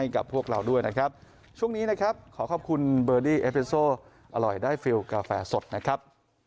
ก็พยายามจะปรับปรุงให้ดีขึ้นครับ